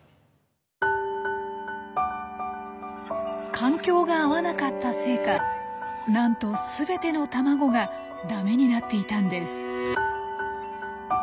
環境が合わなかったせいかなんと全ての卵がダメになっていたんです。